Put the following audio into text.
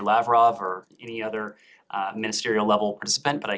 yang kita lihat sebagai forum yang berharga